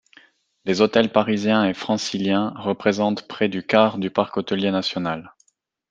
Les hôtels parisiens et franciliens représentent près du quart du parc hôtelier national.